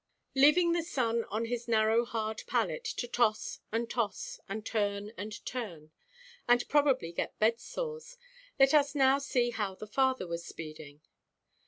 Leaving the son on his narrow hard pallet, to toss and toss, and turn and turn, and probably get bed–sores, let us see how the father was speeding.